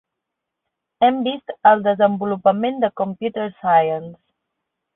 Hem vist el desenvolupament de Computer Science.